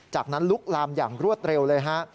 จากนั้นลุกลามอย่างรวดเร็วเลยฮะ